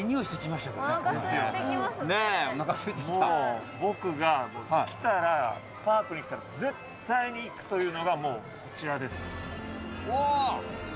もう、僕が来たら、パークに来たら、絶対に行くというのがもうこちらです。